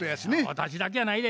私だけやないで。